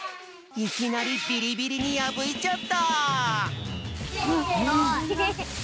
いきなりビリビリにやぶいちゃった！せの！